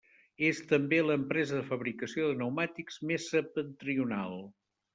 És també l'empresa de fabricació de pneumàtics més septentrional.